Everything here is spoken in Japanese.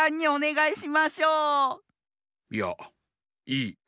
いやいい。